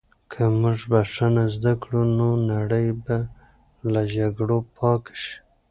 که موږ بښنه زده کړو، نو نړۍ به له جګړو پاکه شي.